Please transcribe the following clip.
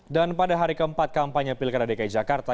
dan pada hari keempat kampanye pilkada dki jakarta